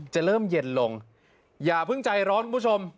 จะเริ่มเย็นลงอย่าเพิ่งใจร้อนคุณผู้ชม